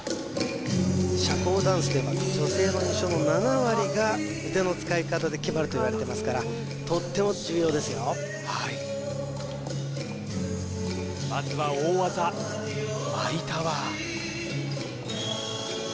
社交ダンスでは女性の印象の７割が腕の使い方で決まると言われてますからとっても重要ですよはいまずは大技舞タワー